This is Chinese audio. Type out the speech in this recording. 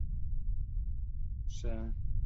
生前收藏被贫困的子孙典卖殆尽。